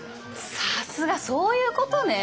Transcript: さすがそういうことね！